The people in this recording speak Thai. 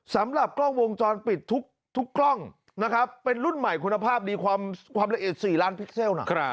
สำหรับกล้องวงจรปิดทุกกล้องนะครับเป็นรุ่นใหม่คุณภาพดีความละเอียด๔ล้านพิกเซล